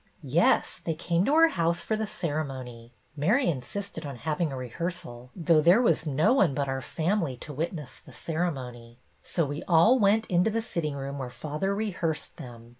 " Yes, they came to our house for the cere mony. Mary insisted on having a rehearsal, though there was no one but our family to witness the ceremony. So we all went into the sitting room where father rehearsed them.